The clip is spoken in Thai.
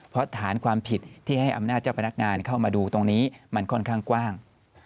เพราะฐานความผิดที่ให้อำนาจเจ้าพนักงานเข้ามาดูตรงนี้มันค่อนข้างกว้าง